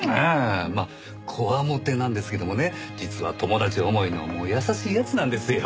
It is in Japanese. まあ強面なんですけどもね実は友達思いの優しい奴なんですよ。